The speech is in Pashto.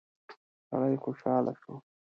سړی خوشاله شو.